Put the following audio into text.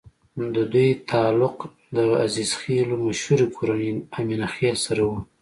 ددوي تعلق د عزيخېلو مشهورې کورنۍ اِمنه خېل سره وو